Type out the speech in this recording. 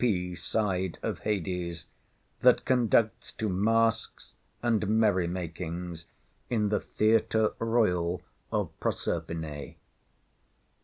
P. side of Hades—that conducts to masques, and merry makings, in the Theatre Royal of Proserpine.